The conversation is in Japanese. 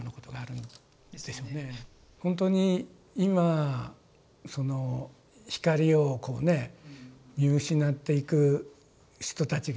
本当に今その光をこうね見失っていく人たちがいて闇の中にいて。